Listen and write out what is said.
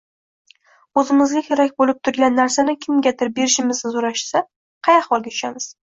o‘zimizga kerak bo‘lib turgan narsani kimgadir berishimizni so‘rashsa, qay holga tushamiz?